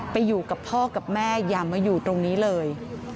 ไปอยู่กับพ่อกับแม่อย่ามาอยู่ตรงนี้เลย